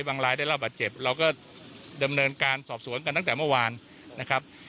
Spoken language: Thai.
รายได้รับบาดเจ็บเราก็ดำเนินการสอบสวนกันตั้งแต่เมื่อวานนะครับ